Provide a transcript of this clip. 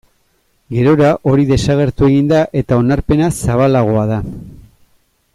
Gerora hori desagertu egin da eta onarpena zabalagoa da.